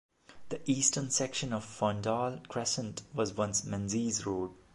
The eastern section of Ferndale Crescent was once Menzies Road.